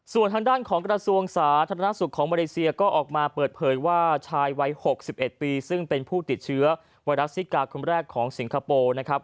ส่วนทางด้านของกระทรวงสาธารณสุขของมาเลเซียก็ออกมาเปิดเผยว่าชายวัย๖๑ปีซึ่งเป็นผู้ติดเชื้อไวรัสซิกาคนแรกของสิงคโปร์นะครับ